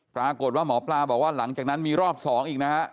ปรากฏว่าหมอปลาบอกว่าหลังจากนั้นมีรอบ๒อีกนะฮะ